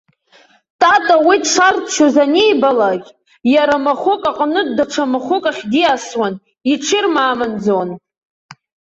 Тата уи дшарччоз анибалак, иара махәык аҟнытә даҽа махәык ахь диасуан, иҽирмаамынӡон.